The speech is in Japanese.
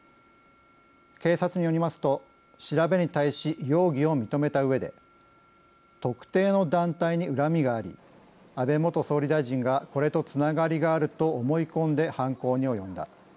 警察によりますと調べに対し容疑を認めたうえで特定の団体にうらみがあり安倍元総理大臣がこれとつながりがあると思い込んで犯行に及んだ。